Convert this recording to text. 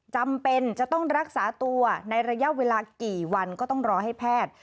จำเป็นจะต้องรักษาตัวในระยะเวลากี่วันก็ต้องรอให้แพทย์